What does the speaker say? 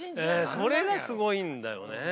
それがすごいんだよねー。